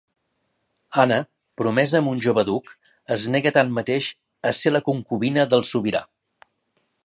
Anna, promesa amb un jove duc, es nega tanmateix a ser la concubina del sobirà.